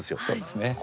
そうですね。